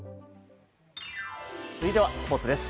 続いてはスポーツです。